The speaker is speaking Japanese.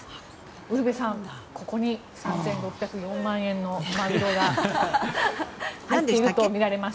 ウルヴェさんここに３６０４万円のマグロが載っているとみられます。